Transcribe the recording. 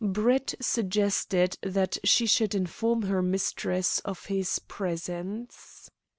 Brett suggested that she should inform her mistress of his presence.